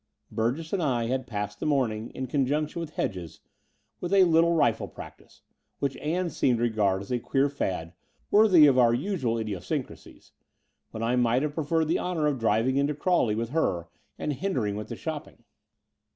Burgess and I had passed the morning, in con jimction with Hedges, with a little rifle practice, which Ann seemed to regard as a queer fad, worthy of our usual idiosyncracies — when I might have preferred the honour of driving into Crawley with her and hindering with the shopping.